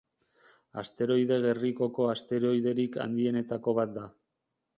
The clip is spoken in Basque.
Asteroide gerrikoko asteroiderik handienetako bat da.